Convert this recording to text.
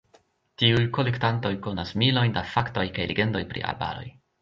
Tiuj kolektantoj konas milojn da faktoj kaj legendoj pri arbaroj.